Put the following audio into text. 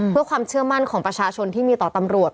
เพื่อความเชื่อมั่นของประชาชนที่มีต่อตำรวจ